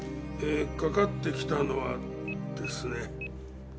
かかってきたのはですね。